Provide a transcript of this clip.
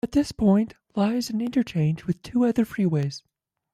At this point lies an interchange with two other freeways.